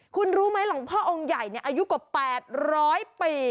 คุณรู้ไหมหลวงพ่อองค์ใหญ่อายุกว่า๘๐๐ปี